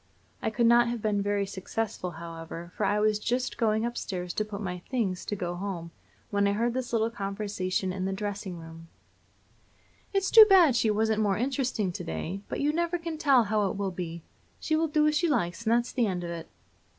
I could not have been very successful, however, for I was just going up stairs to put on my "things" to go home, when I heard this little conversation in the dressing room: "It's too bad she wasn't more interesting to day, but you never can tell how it will be. She will do as she likes, and that's the end of it."